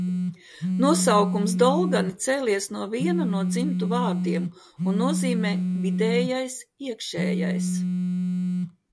"Nosaukums "dolgani" cēlies no viena no dzimtu vārdiem un nozīmē "vidējais", "iekšējais"."